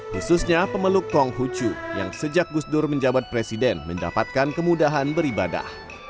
khususnya pemeluk konghucu yang sejak gus dur menjabat presiden mendapatkan kemudahan beribadah